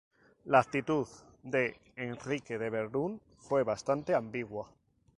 La actitud de Enrique de Verdun fue bastante ambigua.